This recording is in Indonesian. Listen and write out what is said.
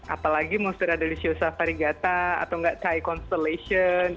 apalagi monstera deliciosa farigata atau nggak thai constellation